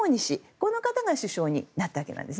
この方が首相になったわけです。